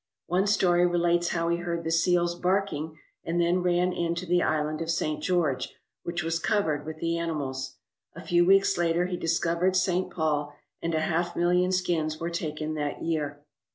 One story relates how he heard the seals barking and then ran in to the Island of St. George, which was covered with the animals. A few weeks later he discovered St. Paul, and a half million skins were taken that year.